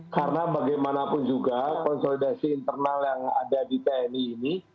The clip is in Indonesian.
karena bagaimanapun juga konsolidasi internal yang ada di tni ini